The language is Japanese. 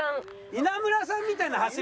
稲村さんみたいな走り方だった。